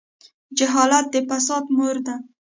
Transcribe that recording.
جهالت د فساد مور ده.